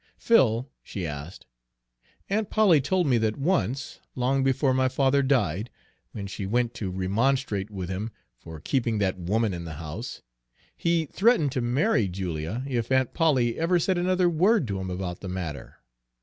"Phil," she asked, "Aunt Polly told me that once, long before my father died, when she went to remonstrate with him for keeping that Woman in the house, he threatened to marry Julia if Aunt Polly ever said another word to him about the matter.